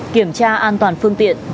kiểm tra an toàn phương tiện